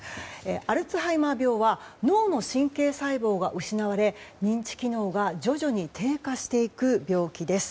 アルツハイマー病は脳の神経細胞が失われ認知機能が徐々に低下していく病気です。